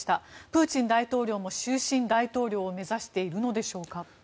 プーチン大統領も終身大統領を目指しているのでしょうか。